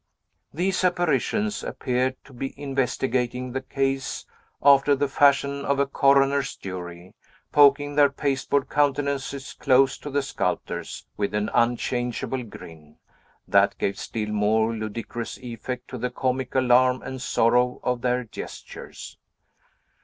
These apparitions appeared to be investigating the case, after the fashion of a coroner's jury, poking their pasteboard countenances close to the sculptor's with an unchangeable grin, that gave still more ludicrous effect to the comic alarm and sorrow of their gestures.